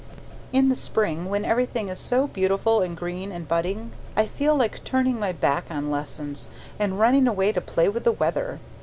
In the spring when everything is so beautiful and green and budding, I feel like turning my back on lessons, and running away to play with the weather.